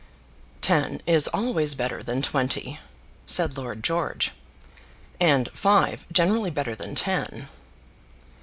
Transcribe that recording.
"Ten is always better than twenty," said Lord George, "and five generally better than ten."